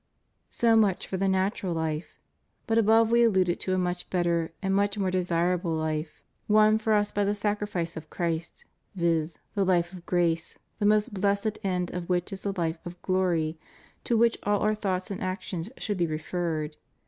So much for the natural life. But above we alluded to a much better and much more desirable life, won for us 474 CHRIST OUR REDEEMER. by the sacrifice of Christ, viz., the hfe of grace, the most blessed end of which is the hfe of glory, to which all our thoughts and actions should be referred.